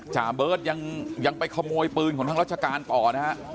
จ่าเบิร์ตยังไปขโมยปืนของทางราชการต่อนะฮะ